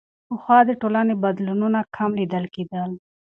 پخوا د ټولنې بدلونونه کم لیدل کېدل.